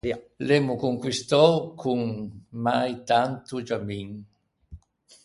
L’emmo conquistou con mai tanto giamin.